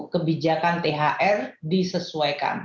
kebijakan thr disesuaikan